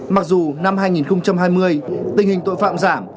mặc dù năm hai nghìn hai mươi tình hình tội phạm giảm